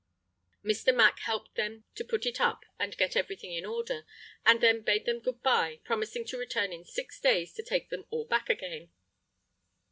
Mr. Mack helped them to put it up and get everything in order, and then bade them good bye, promising to return in six days to take them all back again.